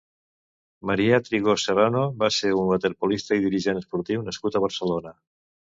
Marià Trigo Serrano va ser un waterpolista i dirigent esportiu nascut a Barcelona.